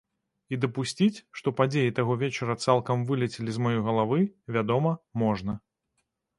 І дапусціць, што падзеі таго вечара цалкам вылецелі з маёй галавы, вядома, можна.